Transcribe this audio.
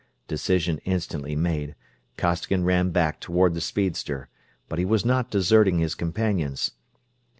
Decision instantly made, Costigan ran back toward the speedster, but he was not deserting his companions.